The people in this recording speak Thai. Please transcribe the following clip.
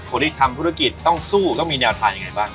คนที่ทำธุรกิจต้องสู้ต้องมีแนวทางยังไงบ้าง